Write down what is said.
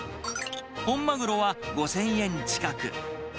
本マグロは５０００円近く。